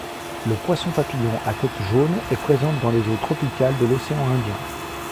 Le Poisson-papillon à tête jaune est présent dans les eaux tropicales de l'Océan Indien.